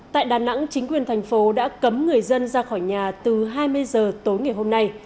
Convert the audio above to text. tại đà nẵng chính quyền thành phố đã cấm người dân ra khỏi nhà từ hai mươi giờ tối ngày hôm nay